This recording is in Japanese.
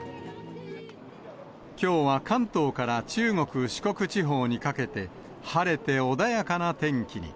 きょうは関東から中国、四国地方にかけて、晴れて穏やかな天気に。